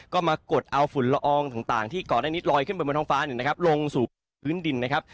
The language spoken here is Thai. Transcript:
ก็มากดเอาฝุ่นละอองต่างที่ก่อนอันนี้ลอยขึ้นไปบนท้องฟ้าลงสู่พื้นดินนะครับ